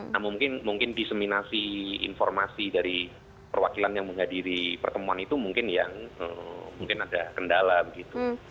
nah mungkin diseminasi informasi dari perwakilan yang menghadiri pertemuan itu mungkin yang mungkin ada kendala begitu